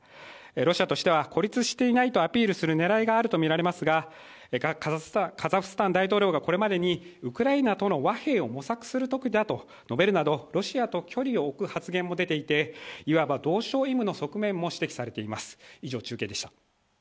ロシアとしては孤立していないとアピールする狙いがあるとみられますが、カザフスタン大統領がこれまでにウクライナとの和平を模索する時だと述べるなどロシアと距離を置く発言も出ていて、しわば同床異夢の側面も指摘されています。